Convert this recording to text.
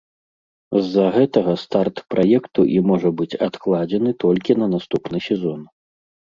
З-за гэтага старт праекту і можа быць адкладзены толькі на наступны сезон.